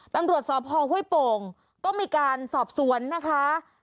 ตำรวจสพห้วยโป่งก็มีการสอบสวนนะคะ